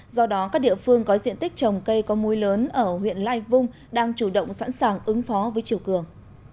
do đó các địa phương có diện tích trồng cây có mùi lớn ở huyện lai vung đang chủ động sẵn sàng ứng phó với chiều cường